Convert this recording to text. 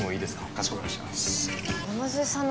かしこまりました。